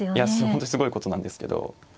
本当にすごいことなんですけど。